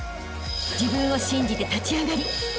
［自分を信じて立ち上がりあしたへ